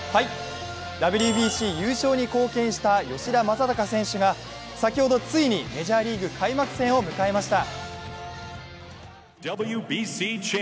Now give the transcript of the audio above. ＷＢＣ優勝に貢献した吉田正尚選手が先ほどついにメジャーリーグ開幕戦を迎えました。